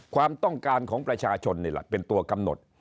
ความต้องการของประชาชนนี่แหละเป็นตัวกำหนด